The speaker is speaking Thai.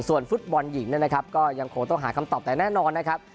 ส่วนฟุตบอลหญิงนะครับก็ยังคงต้องหาคำตอบแต่แน่นอนนะครับ